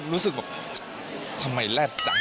รู้สึกแบบทำไมแลบจัง